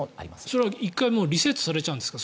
それは１回リセットされちゃうんですか？